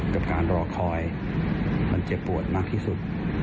กับการรอคอยมันเจ็บปวดมากที่สุด